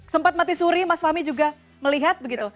sempat mati suri mas fahmi juga melihat begitu